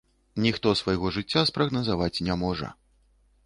Ніхто свайго жыцця спрагназаваць не можа.